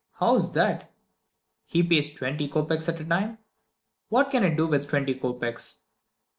How's that? He pays twenty kopeks at a time! What can I do with twenty kopeks?